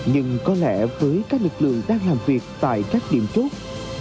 nhưng có lẽ với các lực lượng đang làm việc tại các điểm chốt